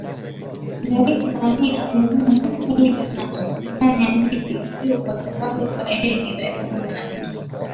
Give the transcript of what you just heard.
Rais Samia amesema Serikali inafanya hivyo sio kwasababu kuwa yeye ni Rais Mwanamke